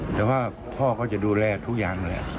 แต่ว่าพ่อก็จะดูแลทุกอย่างเลย